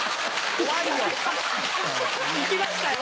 行きましたよ！